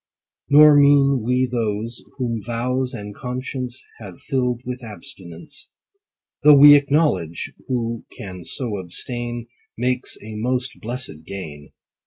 Nor mean we those, whom vows and conscience Have fill'd with abstinence : Though we acknowledge, who can so abstain, Makes a most blessed gain.